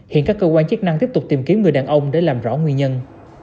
hiện các cơ quan chức năng tiếp tục tìm kiếm người đàn ông để làm rõ nguyên nhân